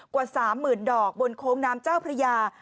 กว่า๓๐๐๐ดอกบนโค้งน้ำเจ้าพระยา